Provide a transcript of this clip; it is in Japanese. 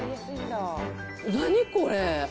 何これ？